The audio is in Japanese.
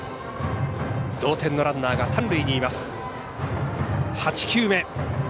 同点のランナーが三塁にいます。